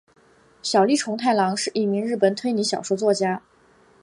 小栗虫太郎是一名日本推理小说作家。